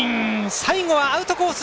最後はアウトコース